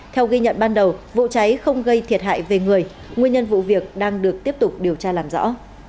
theo ghi nhận ban đầu vụ cháy không gây thiệt hại về người nguyên nhân vụ việc đang được tiếp tục điều tra làm rõ